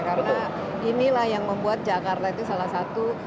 karena inilah yang membuat jakarta itu salah satu